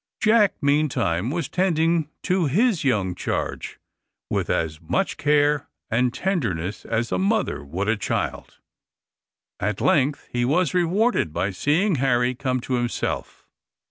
Jack, meantime, was tending his young charge with as much care and tenderness as a mother would a child. At length he was rewarded by seeing Harry come to himself.